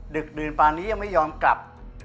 ดึกดื่นป่านี้ยังไม่ยอมกลับ